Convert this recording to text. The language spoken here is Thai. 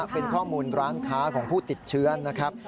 เป็นข้อมูลร้านค้าของผู้ติดเชื้อนะครับ